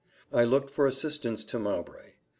I looked for assistance to Mowbray.